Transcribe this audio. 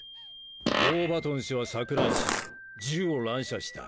ウォーバトン氏は錯乱し銃を乱射した。